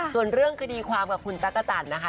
ส่วนเรื่องคดีความกับคุณจักรจันทร์นะคะ